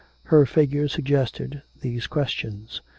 Her figure suggested these questions.